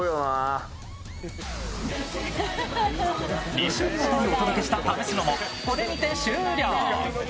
２週にわたりお届けした「ためスノ」もこれにて終了。